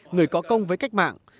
người có công với cách mạng